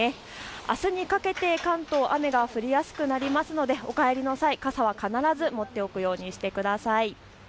あすにかけて関東、雨が降りやすくなりますのでお帰りの際、傘は必ず持っておくようにしてください。